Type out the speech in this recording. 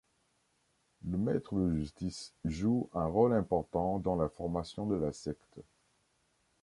Le Maître de Justice joue un rôle important dans la formation de la secte.